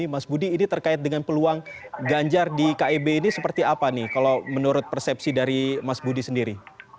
mas budi ini terkait dengan peluang ganjar di kib ini seperti apa nih kalau menurut persepsi dari mas budi sendiri